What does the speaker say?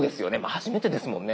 初めてですもんね。